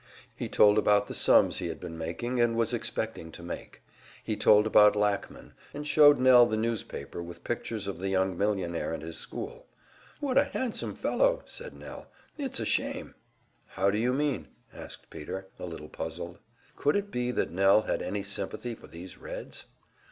He told about the sums he had been making and was expecting to make; he told about Lackman, and showed Nell the newspaper with pictures of the young millionaire and his school. "What a handsome fellow!" said Nell. "It's a shame!" "How do you mean?" asked Peter, a little puzzled. Could it be that Nell had any sympathy for these Reds?